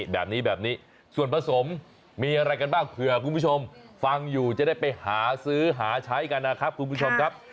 แบบนี้แบบนี้ส่วนผสมมีอะไรกันบ้างเผื่อคุณผู้ชมฟังอยู่จะได้ไปหาซื้อหาใช้กันนะครับคุณผู้ชมครับ